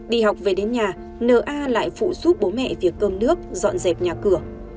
đi học về đến nhà nna lại phụ giúp bố mẹ việc cơm nước dọn dẹp nhà cửa